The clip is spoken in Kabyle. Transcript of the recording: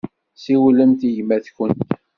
Siwlemt i gma-tkent.